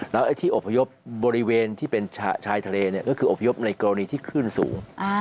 แล้วที่อบพยพบริเวณที่เป็นชายทะเลก็คืออบพยพในกรณีที่ขึ้นสูง